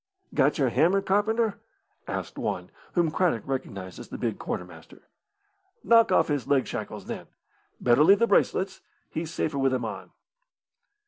"Got your hammer, carpenter?" asked one, whom Craddock recognised as the big quartermaster. "Knock off his leg shackles, then. Better leave the bracelets he's safer with them on."